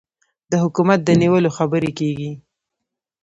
د حکومت د نیولو خبرې کېږي.